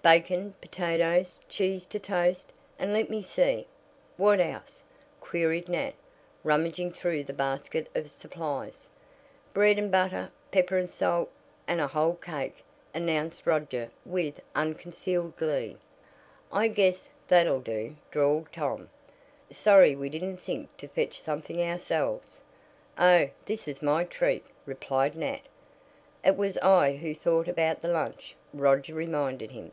"Bacon, potatoes, cheese to toast, and let me see. What else?" queried Nat, rummaging through the basket of supplies. "Bread and butter, pepper and salt, and a whole cake," announced Roger with unconcealed glee. "I guess that'll do," drawled Tom. "Sorry we didn't think to fetch something ourselves." "Oh, this is my treat," replied Nat. "It was I who thought about the lunch," Roger reminded him.